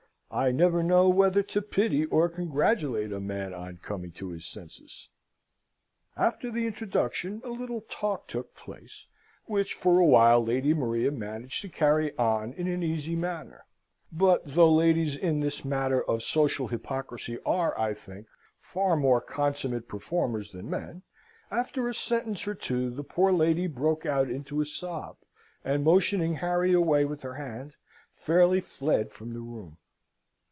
I never know whether to pity or congratulate a man on coming to his senses. After the introduction a little talk took place, which for a while Lady Maria managed to carry on in an easy manner: but though ladies in this matter of social hypocrisy are, I think, far more consummate performers than men, after a sentence or two the poor lady broke out into a sob, and, motioning Harry away with her hand, fairly fled from the room.